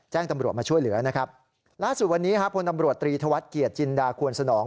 แจ้งตำรวจมาช่วยเหลือนะครับล่าสุดวันนี้ครับพลตำรวจตรีธวัฒนเกียรติจินดาควรสนอง